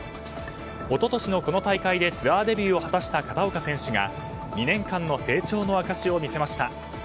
一昨年のこの大会でツアーデビューを果たした片岡選手が２年間の成長の証しを見せました。